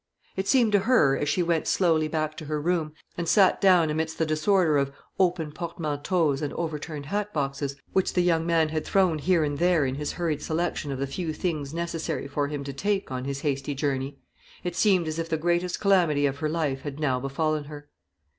It seemed to her, as she went slowly back to her room, and sat down amidst the disorder of open portmanteaus and overturned hatboxes, which the young man had thrown here and there in his hurried selection of the few things necessary for him to take on his hasty journey it seemed as if the greatest calamity of her life had now befallen her.